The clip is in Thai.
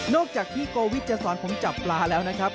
จากพี่โกวิทจะสอนผมจับปลาแล้วนะครับ